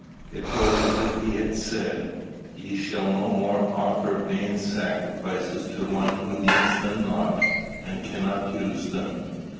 It was as if he had said, "Ye shall no more offer vain sacrifices to one who needs them not, and cannot use them.